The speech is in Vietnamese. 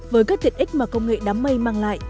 với các tiện ích mà công nghệ đám mây mang lại